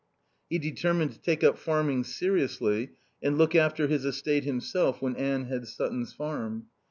He determined to take up farming seriously and look after his estate himself when Anne had Sutton's farm.